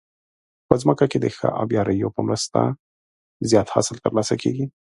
په ځمکه کې د ښه آبيارو په مرسته زیات حاصل ترلاسه کیږي.